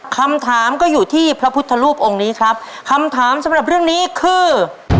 คำถามก็อยู่ที่พระพุทธรูปองค์นี้ครับคำถามสำหรับเรื่องนี้คือ